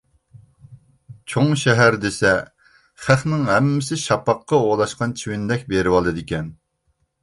چوڭ شەھەر دېسە خەقنىڭ ھەممىسى شاپاققا ئولاشقان چىۋىندەك بېرىۋالىدىكەن.